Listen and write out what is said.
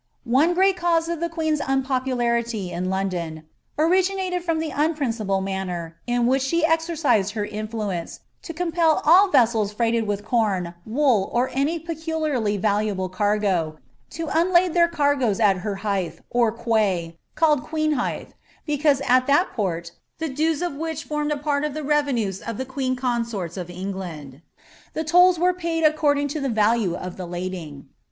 One great cause of the queen's unpopularity in Londont orifuMJ from the unprincipled manner in which she exercised licr iatliMtict tc compel all vessels freighted with com, wool, or any peculiarly valwUi cargo, to unlade their cargoes at her hithe, or quay, called ^uecnhUkf: because at that port (the dues of which formed a part of the r«veiuiei ti the queen consorts oi' England,) the tolls were paid according 10 lb value of the lading.'